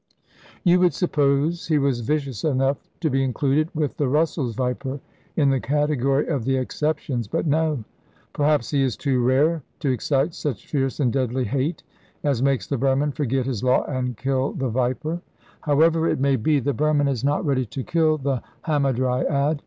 You would suppose he was vicious enough to be included with the Russell's viper in the category of the exceptions, but no. Perhaps he is too rare to excite such fierce and deadly hate as makes the Burman forget his law and kill the viper. However it may be, the Burman is not ready to kill the hamadryad.